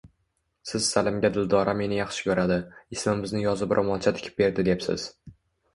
Siz Salimga Dildora meni yaxshi koʻradi, ismimizni yozib roʻmolcha tikib berdi debsiz.